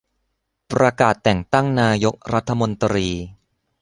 ประกาศแต่งตั้งนายกรัฐมนตรี